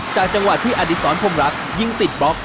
จากจังหวัดที่อดิษรพร่มรักยิงติดบล็อก